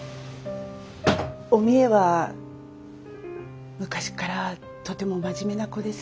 お三枝は昔からとても真面目な子です。